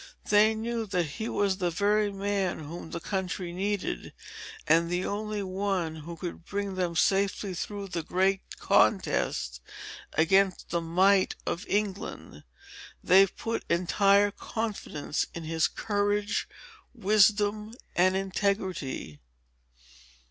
They knew that he was the very man whom the country needed, and the only one who could bring them safely through the great contest against the might of England. They put entire confidence in his courage, wisdom, and integrity."